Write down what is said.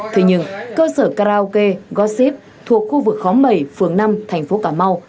thế nhưng cơ sở karaoke gossip thuộc khu vực khóng bảy phường năm thành phố cà mau